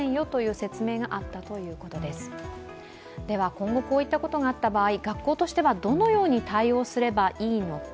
今後、こういったことがあった場合、どのように対応すればいいのか。